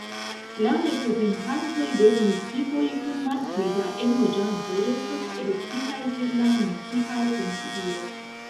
La reprezentantoj de municipoj kun malpli da enloĝantoj restos elektitaj per la municipaj konsilioj.